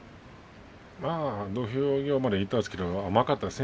土俵際までいったんですけど詰めが甘かったですね。